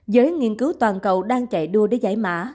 giới nghiên cứu toàn cầu đang chạy đua để giải mã